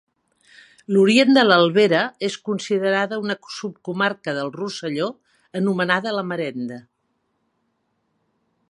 L'orient de l'Albera és considerada una subcomarca del Rosselló anomenada la Marenda.